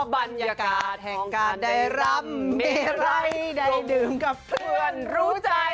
บรรยากาศแห่งการได้รำเบไรได้ดื่มกับเพื่อนรู้ใจ